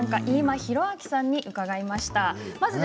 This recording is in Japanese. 飯間浩明さんに伺いました。